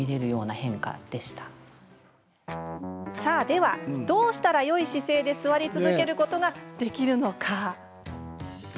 では、どうしたらよい姿勢で座り続けることができるのか？